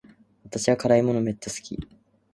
私は辛い食べ物めっちゃ好き